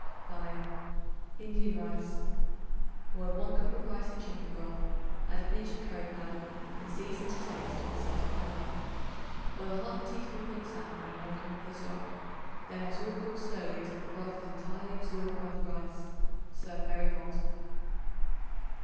5. Indian Rice. Boil 1 cup of rice in chicken broth; add a pinch of curry powder and season to taste with salt and pepper. Boil 1/2 teaspoonful of saffron in 1 cup of the stock; then let all cook slowly until the broth is entirely absorbed by the rice. Serve very hot.